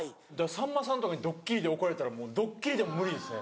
さんまさんとかにドッキリで怒られたらもうドッキリでも無理ですね。